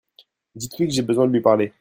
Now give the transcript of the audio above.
Dites-lui que j'ai besoin de lui parler.